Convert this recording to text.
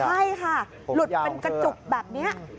ใช่ค่ะหลุดเป็นกระจุกแบบนี้